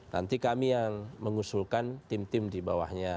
nanti kami yang mengusulkan tim tim di bawahnya